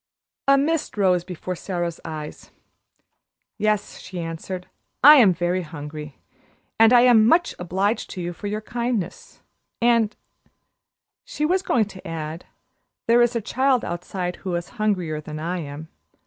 A mist rose before Sara's eyes. "Yes," she answered. "I am very hungry, and I am much obliged to you for your kindness, and," she was going to add, "there is a child outside who is hungrier than I am."